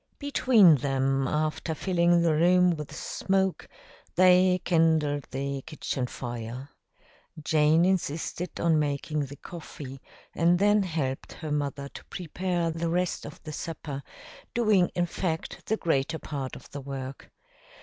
Between them, after filling the room with smoke, they kindled the kitchen fire. Jane insisted on making the coffee and then helped her mother to prepare the rest of the supper, doing, in fact, the greater part of the work.